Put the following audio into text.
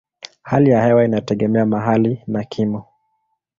Hali ya hewa inategemea mahali na kimo.